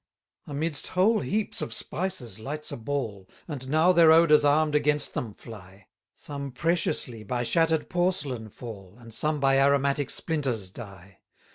29 Amidst whole heaps of spices lights a ball, And now their odours arm'd against them fly: Some preciously by shatter'd porcelain fall, And some by aromatic splinters die.